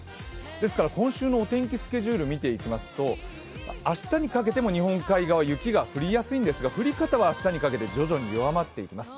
ですから、今週のお天気スケジュールを見ていきますと、明日にかけても日本海側雪が降りやすいんですが降り方は明日にかけて徐々に弱まっていきます。